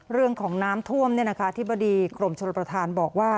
เรื่องของน้ำท่วมเนี่ยนะคะที่บดีกรมชนพระธานบอกว่า